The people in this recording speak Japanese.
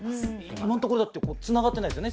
今のところつながってないですよね